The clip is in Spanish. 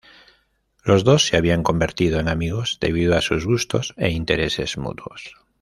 Los dos se habían convertido en amigos, debido a sus gustos e intereses mutuos.